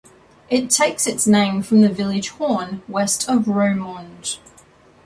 It takes its name from the village Horn, west of Roermond.